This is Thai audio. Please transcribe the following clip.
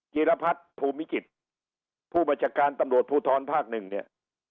จีรพัทธ์ภูมิจิตผู้บัจจักรตำลวดภูทรภาคหนึ่งเนี้ย